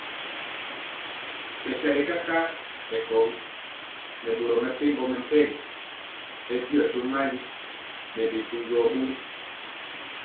Bɛsali kakar nɛ kowi nɛ boro mepempɔ mɛmpegi bɛndiɔ tomali nɛ bi du jɔɔ bori.